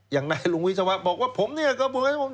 อย่างนายลุงวิศวะบอกว่าผมเนี่ยกระบวนการยุติธรรม